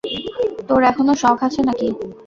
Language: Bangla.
তোর এখনো শখ আছে নাকি?